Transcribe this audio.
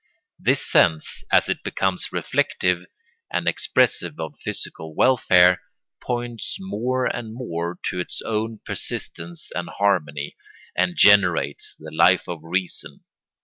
This sense, as it becomes reflective and expressive of physical welfare, points more and more to its own persistence and harmony, and generates the Life of Reason.